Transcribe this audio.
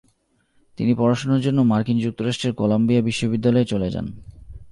তিনি পড়াশোনার জন্য মার্কিন যুক্তরাষ্ট্রের কলাম্বিয়া বিশ্ববিদ্যালয়ে চলে যান।